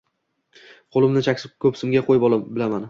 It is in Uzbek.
Qo’limni chap ko’ksimga qo’yib bilaman